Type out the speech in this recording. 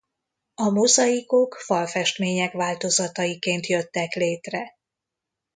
A mozaikok falfestmények változataiként jöttek létre.